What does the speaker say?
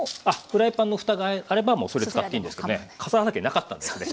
フライパンのふたがあればもうそれ使っていいんですけどね笠原家なかったんだよね。